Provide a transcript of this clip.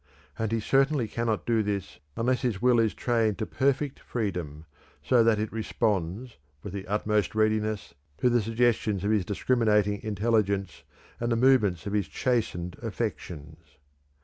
And he certainly cannot do this unless his will is trained to perfect freedom, so that it responds, with the utmost readiness, to the suggestions of his discriminating intelligence and the movements of his chastened affections."